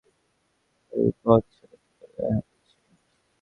এই বদ ছেলে কি তোর গায়ে হাত দিয়েছে?